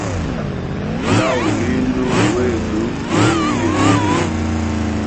Nda uli indu wetu uli bilegele.